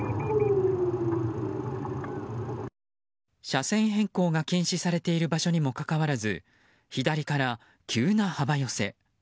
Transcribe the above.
車線変更が禁止されている場所にもかかわらず左から急な幅寄せ。